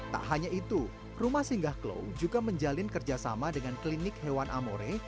tak hanya itu rumah singgah klau juga menjalin kerjasama dengan klinik hewan amore